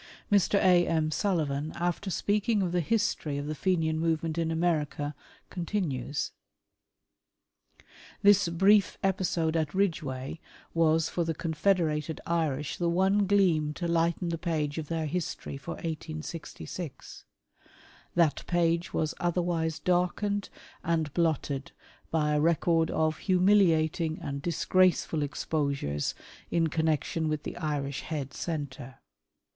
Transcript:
Mr. A. M. Sullivan, after speaking of the history of the Fenian movement in America, continues :—" This brief episode at Ridge way was for the confederated Irish the one gleam to lighten the page of their history for 1866. That page was otherwise darkened' and blotted by a record of humiliating and disgraceful exposures in connection with the Irish Head Centre.